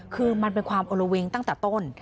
คือมันเป็นความโอละเวงตั้งแต่ต้น